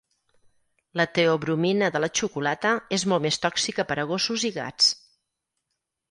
La teobromina de la xocolata és molt més tòxica per a gossos i gats.